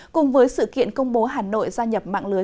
cùng với sự kiện công bố hà nội gia nhập mạng lưới